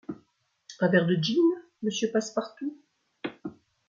Un verre de gin, monsieur Passepartout ?